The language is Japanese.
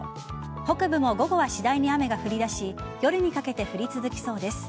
北部も午後は次第に雨が降り出し夜にかけて降り続きそうです。